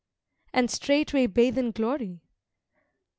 And straightway bathe in glory.